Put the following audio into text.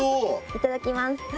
いただきます。